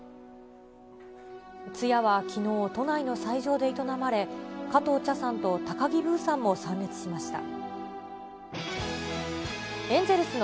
通夜はきのう、都内の斎場で営まれ、加藤茶さんと高木ブーさんも参列しました。